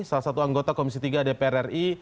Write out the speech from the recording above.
salah satu anggota komisi tiga dpr ri